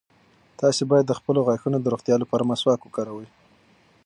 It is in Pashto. تاسي باید د خپلو غاښونو د روغتیا لپاره مسواک وکاروئ.